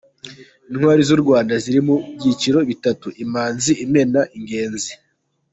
Intwari z’u Rwanda ziri mu byiciro bitatu; Imanzi, Imena n’Ingenzi.